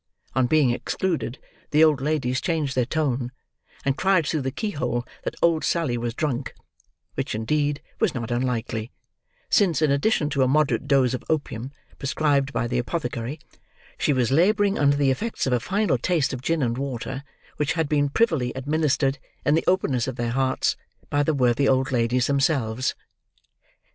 On being excluded, the old ladies changed their tone, and cried through the keyhole that old Sally was drunk; which, indeed, was not unlikely; since, in addition to a moderate dose of opium prescribed by the apothecary, she was labouring under the effects of a final taste of gin and water which had been privily administered, in the openness of their hearts, by the worthy old ladies themselves.